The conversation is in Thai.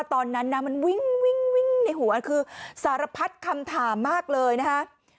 ตอนนั้นนะมันวิ่งวิ่งในหัวคือสารพัดคำถามมากเลยนะคะ